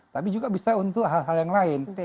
tapi juga bisa untuk hal hal yang lain